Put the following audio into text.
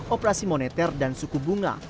operasi moneter dan suku bunga